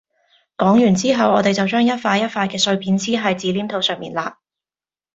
講完之後我哋就將一塊一塊嘅碎片黐喺紙黏土上面嘞